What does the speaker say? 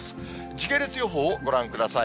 時系列予報をご覧ください。